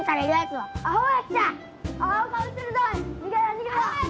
はい？